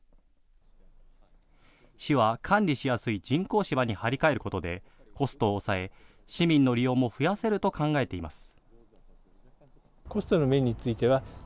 市は管理しやすい人工芝に張り替えることでコストを抑え市民の利用も増やせると考えています。